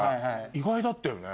意外だったよね。